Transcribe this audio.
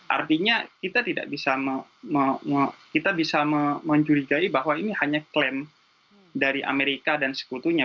artinya kita tidak bisa menjurigai bahwa ini hanya klaim dari amerika dan sekutunya